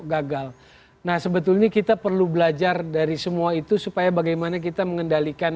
gagal nah sebetulnya kita perlu belajar dari semua itu supaya bagaimana kita mengendalikan